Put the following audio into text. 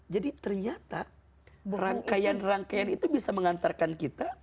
jadi ternyata rangkaian rangkaian itu bisa mengantarkan kita